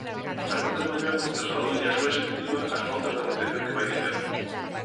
Fernández Mañueco trasladoulle á súa executiva as pautas da negociación que vai iniciar.